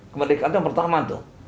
kemerdekaan itu yang pertama tuh